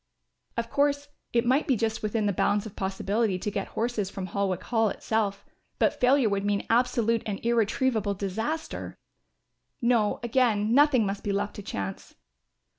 Of course it might be just within the bounds of possibility to get horses from Holwick Hall itself; but failure would mean absolute and irretrievable disaster. No again, nothing must be left to chance.